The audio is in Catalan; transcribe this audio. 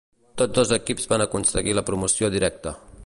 Tots dos equips van aconseguir la promoció directa.